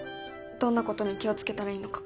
どんなことに気を付けたらいいのか。